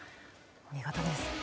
見事です。